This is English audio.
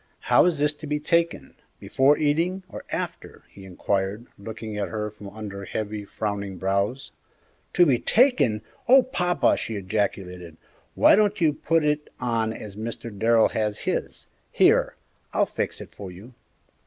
"How is this to be taken, before eating, or after?" he inquired, looking at her from under heavy, frowning brows. "To be taken! Oh, papa!" she ejaculated; "why don't you put it on as Mr. Darrell has his? Here, I'll fix it for you!"